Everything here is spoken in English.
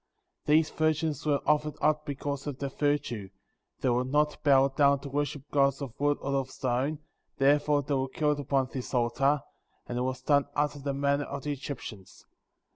* These virgins were offered up because of their virtue; they would not bow down to worship gods of wood or of stone, therefore they were killed upon this altar, and it was done after the manner of the Egyptians.